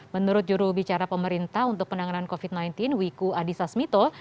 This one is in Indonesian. menurut jurubicara pemerintah untuk penanganan covid sembilan belas wiku adhisa smito